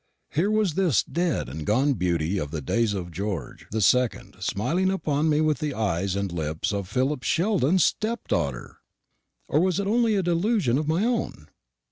Here was this dead and gone beauty of the days of George the Second smiling upon me with the eyes and lips of Philip Sheldon's stepdaughter! Or was it only a delusion of my own?